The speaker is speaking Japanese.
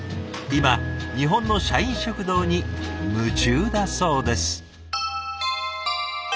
今日本の社員食堂に夢中だそうです。